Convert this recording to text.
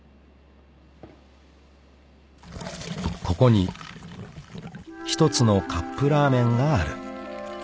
［ここに１つのカップラーメンがある］